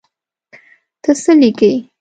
ته څه لیکې.